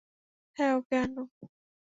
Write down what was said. হ্যাঁ, ওকে আনো।